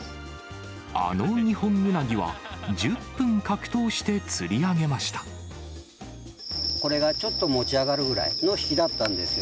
あのニホンウナギは、これがちょっと持ち上がるぐらいのひきだったんですよ。